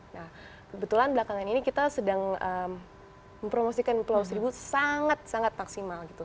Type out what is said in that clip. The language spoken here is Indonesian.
nah kebetulan belakangan ini kita sedang mempromosikan ke pulau seribu sangat sangat maksimal gitu